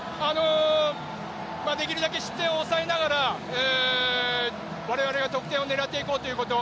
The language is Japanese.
できるだけ失点を抑えながら我々は得点を狙っていこうということ。